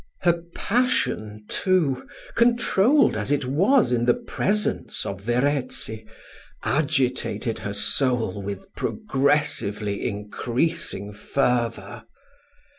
Her passion too, controlled as it was in the presence of Verezzi, agitated her soul with progressively increasing fervour.